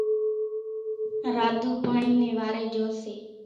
راڌُو پاڻِي نيَ واريَ جھو سي۔